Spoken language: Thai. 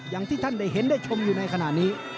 อย่างที่ท่านได้เห็นได้ชมอยู่ในขณะนี้